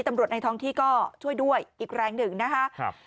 ในท้องที่ก็ช่วยด้วยอีกแรงหนึ่งนะคะครับ